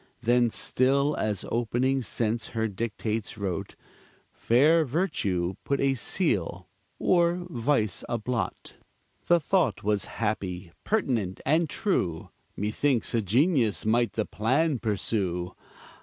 Then still, as opening sense her dictates wrote, Fair virtue put a seal, or vice a blot. The thought was happy, pertinent, and true; Methinks a genius might the plan pursue.